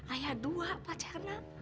ayah dua pacaran